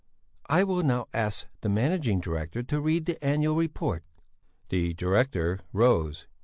"I will now ask the Managing Director to read the annual report." The director rose.